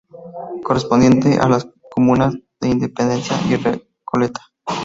Correspondiente a las comunas de Independencia y Recoleta.